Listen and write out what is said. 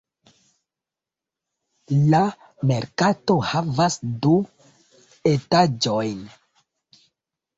La merkato havas du etaĝojn.